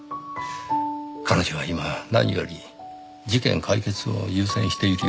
彼女は今何より事件解決を優先しているようです。